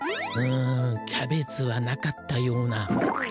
うんキャベツはなかったような。